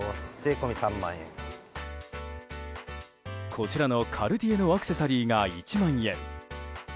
こちらのカルティエのアクセサリーが１万円。